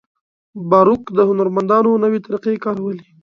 باروک هنرمندانو نوې طریقې کارولې.